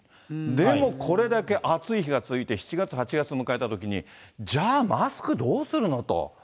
でもこれだけ暑い日が続いて、７月、８月迎えたときに、じゃあマスクどうするのと。